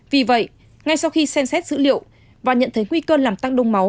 vì vậy ngay sau khi xem xét dữ liệu và nhận thấy nguy cơ làm tăng đông máu